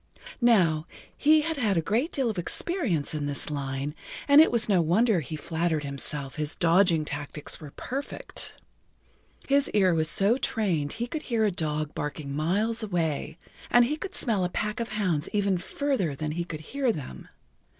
Now, he had had a great deal of experience in this line, and it was no wonder he flattered himself his dodging tactics were perfect. His ear was so trained he could hear a dog barking miles away, and he could smell a pack of hounds even further than he could hear them.